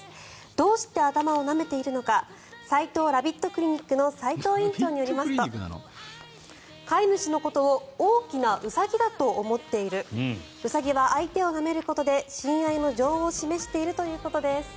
どうして頭をなめているのかさいとうラビットクリニックの斉藤院長によりますと飼い主のことを大きなウサギだと思っているウサギは相手をなめることで親愛の情を示しているということです。